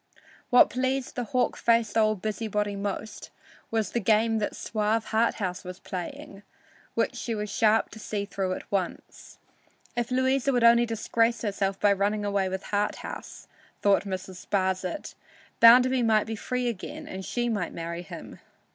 What pleased the hawk faced old busybody most was the game the suave Harthouse was playing, which she was sharp enough to see through at once. If Louisa would only disgrace herself by running away with Harthouse, thought Mrs. Sparsit, Bounderby might be free again and she might marry him.